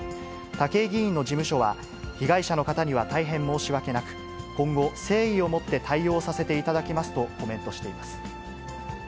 武井議員の事務所は、被害者の方には大変申し訳なく、今後、誠意をもって対応させていただきますとコメントしています。